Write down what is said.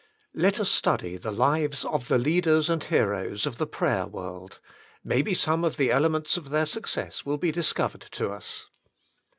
Let us study the lives of the leaders and heroes of the prayer world; maybe some of the elements of their suc cess will be discovered to us.